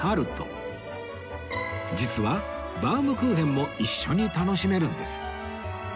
実はバウムクーヘンも一緒に楽しめるんです